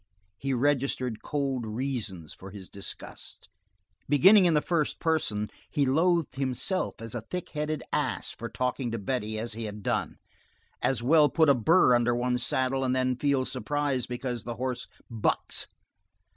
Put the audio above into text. He registered cold reasons for his disgust. Beginning in the first person, he loathed himself as a thick headed ass for talking to Betty as he had done; as well put a burr under one's saddle and then feel surprise because the horse bucks.